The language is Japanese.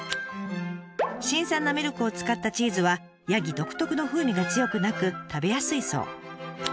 新鮮なミルクを使ったチーズはヤギ独特の風味が強くなく食べやすいそう。